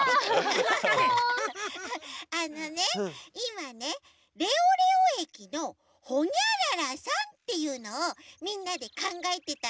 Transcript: あのねいまね「レオレオえきのほにゃららさん」っていうのをみんなでかんがえてたの。